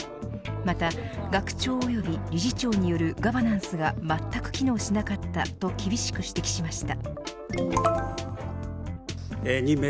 また、学長及び理事長によるガバナンスがまったく機能しなかったと厳しく指摘しました。